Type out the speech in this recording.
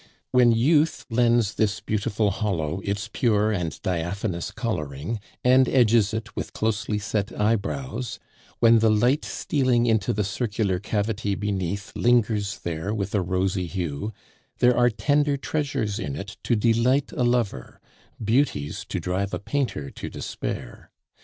When youth lends this beautiful hollow its pure and diaphanous coloring, and edges it with closely set eyebrows, when the light stealing into the circular cavity beneath lingers there with a rosy hue, there are tender treasures in it to delight a lover, beauties to drive a painter to despair.